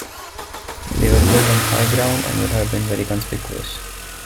They were built on high ground and would have been very conspicuous.